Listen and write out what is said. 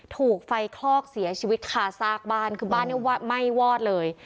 ถูกไฟคลอกเสียชีวิตคาซากบ้านคือบ้านเนี่ยไหม้วอดเลย